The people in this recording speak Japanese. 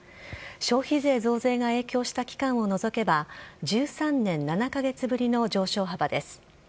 消費税増税が影響した期間を除けば１３年７カ月ぶりの上昇幅です。